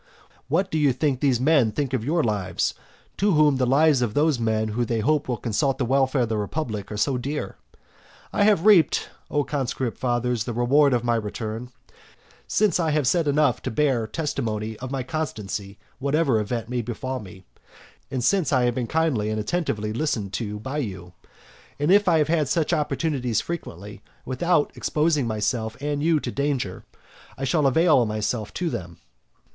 What do you think that those men think of your lives, to whom the lives of those men who they hope will consult the welfare of the republic are so dear? I have reaped, O conscript fathers, the reward of my return, since I have said enough to bear testimony of my consistency whatever event may befall me, and since I have been kindly and attentively listened to by you. And if I have such opportunities frequently without exposing both myself and you to danger, I shall avail myself of them.